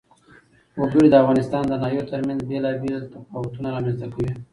وګړي د افغانستان د ناحیو ترمنځ بېلابېل تفاوتونه رامنځ ته کوي.